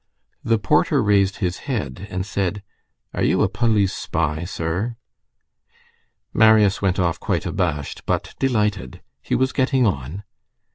The porter raised his head and said:— "Are you a police spy, sir?" Marius went off quite abashed, but delighted. He was getting on.